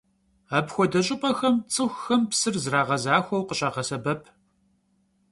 Apxuede ş'ıp'exem ts'ıxuxem psır zrağezaxueu khışağesebep.